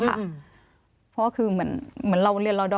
เพราะว่าคือเหมือนเราเรียนรอดอ